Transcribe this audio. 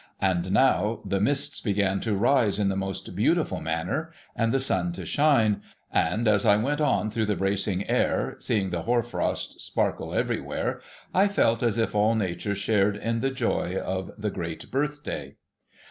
And now the mists began to rise in the most beautiful manner, and the sun to shine ; and as I went on through the bracing air, seeing the hoar frost sparkle everywhere, I felt as if all Nature shared in the joy of the great Birthday.